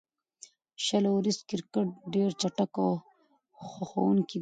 شل اوریز کرکټ ډېر چټک او خوښوونکی دئ.